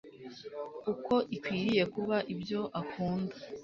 uko ikwiriye kuba. Ibyo akunda